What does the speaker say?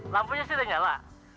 lampunya sudah nyala